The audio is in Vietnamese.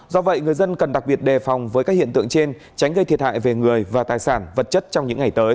do vậy người dân cần đặc biệt đề phòng với các hiện tượng trên tránh gây thiệt hại về người và tài sản vật chất trong những ngày tới